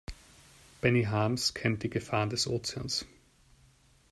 Benny Harms kennt die Gefahren des Ozeans.